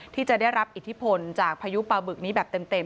ที่จะได้รับอิทธิพลจากพายุปลาบึกนี้แบบเต็ม